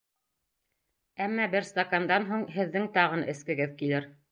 Әммә бер стакандан һуң һеҙҙең тағын эскегеҙ килер.